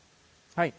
はい。